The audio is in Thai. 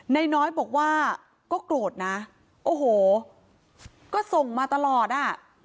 น้อยบอกว่าก็โกรธนะโอ้โหก็ส่งมาตลอดอ่ะ